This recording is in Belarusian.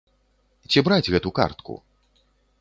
Ці браць гэту картку?